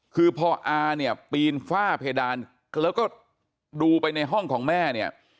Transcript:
คือพออาเนี่ยปีนฝ้าเพดานแล้วก็ดูไปในห้องของแม่เนี่ย